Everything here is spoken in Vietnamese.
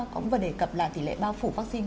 cũng vừa đề cập là tỷ lệ bao phủ vaccine